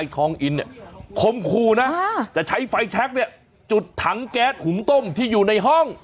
คมคูนะแต่ใช้ไฟแช็คเนี่ยจุดถังแก๊สหุ่มต้มที่อยู่ในห้อง